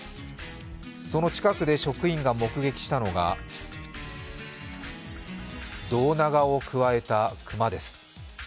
その近くで職員が目撃したのが胴長をくわえた熊です。